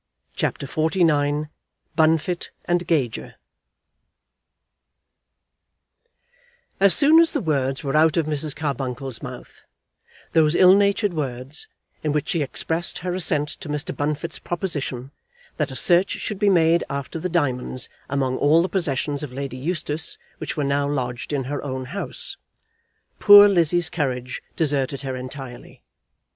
CHAPTER XLIX Bunfit and Gager As soon as the words were out of Mrs. Carbuncle's mouth, those ill natured words in which she expressed her assent to Mr. Bunfit's proposition that a search should be made after the diamonds among all the possessions of Lady Eustace which were now lodged in her own house, poor Lizzie's courage deserted her entirely.